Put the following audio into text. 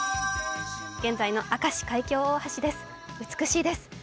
現在の明石海峡大橋です。